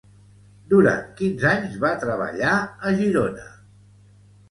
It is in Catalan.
Durant quins anys va treballar a Girona?